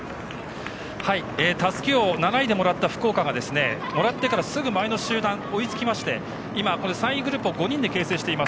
たすきを７位でもらった福岡が、もらってからすぐ前の集団に追いつきまして３位グループを５人で形成してます。